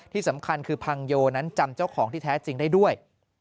ที่สำคัญคือพังโยนั้นจำเจ้าของที่แท้จริงได้ด้วย